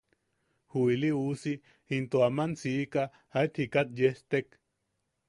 Ju ili usi into aman siika aet jikat yestek.